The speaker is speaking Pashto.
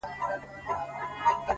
راكيټونو دي پر ما باندي را اوري،